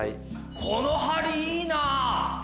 この梁いいな。